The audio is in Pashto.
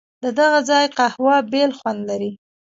ددغه ځای قهوه بېل خوند لري.